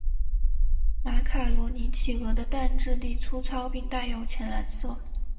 马卡罗尼企鹅的蛋质地粗糙并带有浅蓝色。